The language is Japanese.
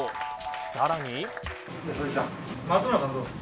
さらに。